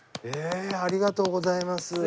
えっありがとうございます。